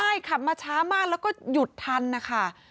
ใช่ขับมาช้ามากแล้วก็หยุดทันนะคะ